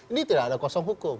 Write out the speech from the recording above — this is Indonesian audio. ini tidak ada kosong hukum